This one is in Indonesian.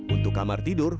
untuk kamar tidur